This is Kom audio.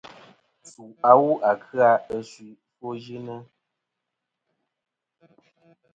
Su awu a kɨ-a ɨ suy ɨfwoyɨnɨ.